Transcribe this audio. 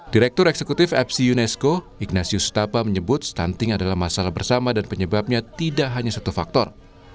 direktur eksekutif fc unesco ignatius tapa menyebut stunting adalah masalah bersama dan penyebabnya tidak hanya satu faktor